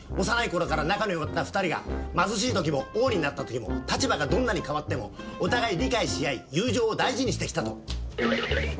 「幼い頃から仲のよかった２人が貧しい時も王になった時も立場がどんなに変わってもお互い理解し合い友情を大事にしてきたと」